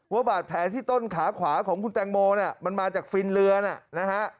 ว่าบาดแผลที่ต้นขาขวาของคุณแตงโมเนี่ยมันมาจากฟินเรือนะฮะ